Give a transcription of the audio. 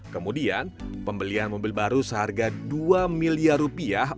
kemudian pembelian mobil baru seharga dua miliar rupiah